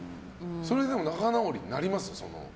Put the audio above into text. それ、仲直りになります？